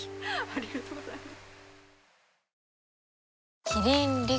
ありがとうございます。